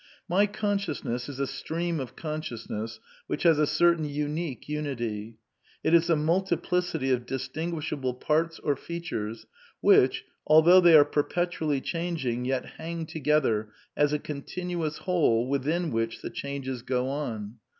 '^ My consciousness is a stream of consciousness which has a certain unique unity; it is a multiplicity of distinguishable parts or features which, although they are perpetually changing, yet hang together as a continuous whole within which the changes go on.